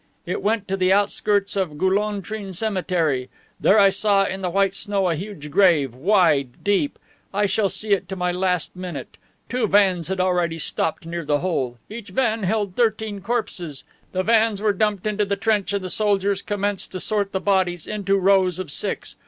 It went to the outskirts of Golountrine cemetery. There I saw in the white snow a huge grave, wide, deep. I shall see it to my last minute. Two vans had already stopped near the hole. Each van held thirteen corpses. The vans were dumped into the trench and the soldiers commenced to sort the bodies into rows of six.